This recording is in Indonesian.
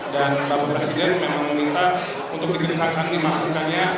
dan bapak presiden memang meminta untuk dikencangkan dimasukkannya